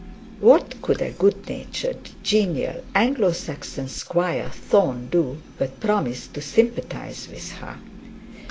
What could a good natured genial Anglo Saxon Squire Thorne do but promise to sympathise with her?